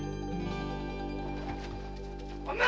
女！